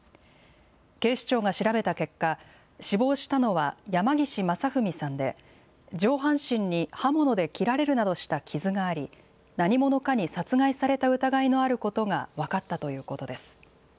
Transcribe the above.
警視庁が調べた結果、死亡したのは山岸正文さんで、上半身に刃物で切られるなどした傷があり、何者かに殺害された疑いのあることが分かったということです。